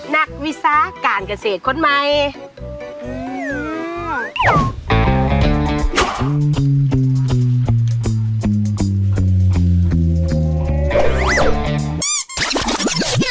นักวิสาการเกษตรคนใหม่อืม